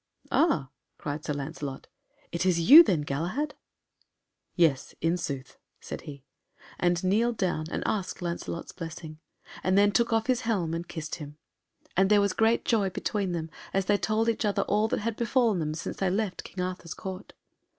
"Ah," cried Sir Lancelot, "is it you, then, Galahad?" "Yes, in sooth," said he, and kneeled down and asked Lancelot's blessing, and then took off his helm and kissed him. And there was great joy between them, and they told each other all that had befallen them since they left King Arthur's Court.